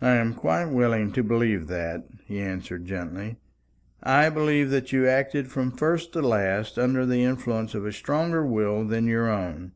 "I am quite willing to believe that," he answered gently. "I believe that you acted from first to last under the influence of a stronger will than your own.